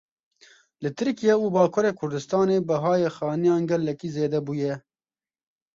Li Tirkiye û Bakurê Kurdistanê bihayê xaniyan gelekî zêde bûye.